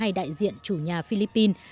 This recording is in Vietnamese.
hai đại diện chủ nhà philippines